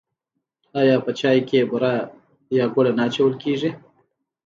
آیا په چای کې بوره یا ګوړه نه اچول کیږي؟